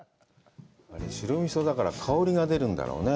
白味噌だから、香りが出るんだろうね。